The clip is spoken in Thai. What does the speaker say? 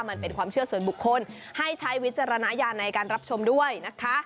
มันเป็นความเชื่อส่วนบุคคลให้ใช้วิจารณญาณในการรับชมด้วยนะคะ